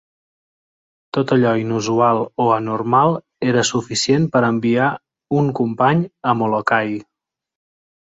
Tot allò inusual o anormal era suficient per enviar un company a Molokai.